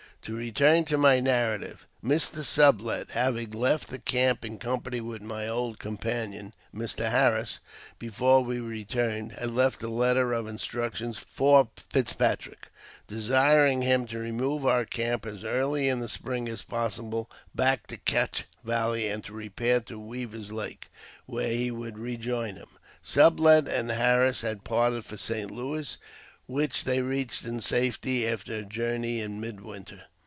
To return to my narrative : Mr. Sublet, having left the camp in company with my old companion, Mr. Harris, before we returned, had left a letter of instructions for Fitzpatrick, desiring him to remove our camp as early in the spring as possible back to Cache Valley, and to repair to Weaver's Lake, where he would rejoin him. Sublet and Harris had parted for St. Louis, which they reached in safety after a journey in mid winter.